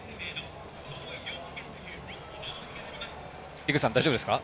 井口さん、大丈夫ですか？